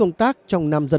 với tổ chức ấn độ